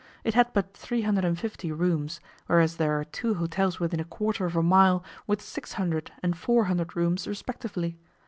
It had but three hundred and fifty rooms, whereas there are two hotels within a quarter of a mile with six hundred and four hundred rooms respectively.